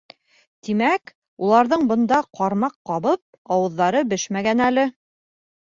Тимәк, уларҙың бында, ҡармаҡ ҡабып, ауыҙҙары бешмәгән әле.